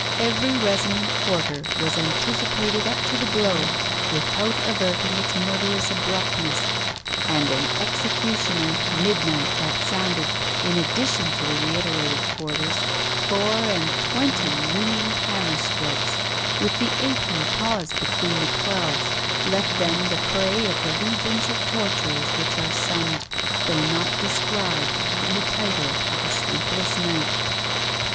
Every resonant quarter was anticipated up to the blow, without averting its murderous abruptness; and an executioner Midnight that sounded, in addition to the reiterated quarters, four and twenty ringing hammerstrokes, with the aching pause between the twelves, left them the prey of the legions of torturers which are summed, though not described, in the title of a sleepless night.